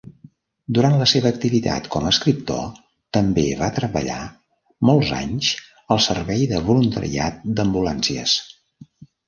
Durant la seva activitat com a escriptor, també va treballar molts anys al servei de voluntariat d'ambulàncies.